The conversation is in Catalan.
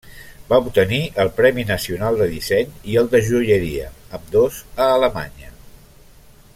Va obtenir el Premi Nacional de disseny i el de joieria, ambdós a Alemanya.